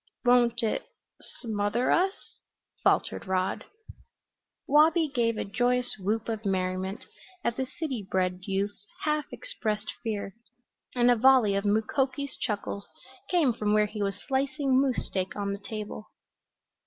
"Won't it smother us?" faltered Rod. Wabi gave a joyous whoop of merriment at the city bred youth's half expressed fear and a volley of Mukoki's chuckles came from where he was slicing moose steak on the table.